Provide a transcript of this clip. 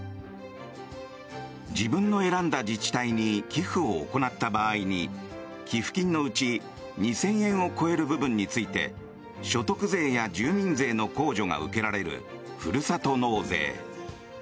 自分の選んだ自治体に寄付を行った場合に寄付金のうち２０００円を超える部分について所得税や住民税の控除が受けられるふるさと納税。